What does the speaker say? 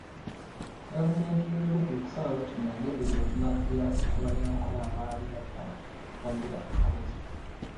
Gavumenti ya Obote okusalawo kino yagenderera okunafuya Abanyankole abaali batawagira ntalo ze